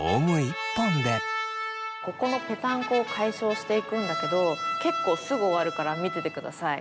ここのぺたんこを解消していくんだけど結構すぐ終わるから見ててください。